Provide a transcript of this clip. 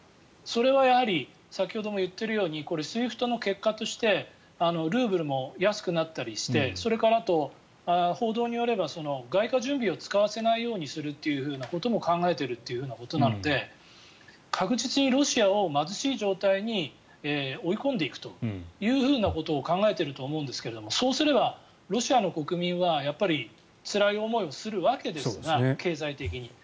それはやはり先ほども言っているようにＳＷＩＦＴの結果としてルーブルも安くなったりしてそれからあと、報道によれば外貨準備を使わせないようにすることも考えているということなので確実にロシアを貧しい状態に追い込んでいくということを考えていると思うんですけどそうすればロシアの国民はつらい思いをするわけですが経済的に。